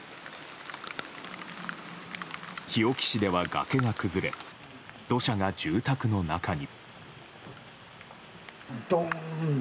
日置市では、崖が崩れ土砂が住宅の中に。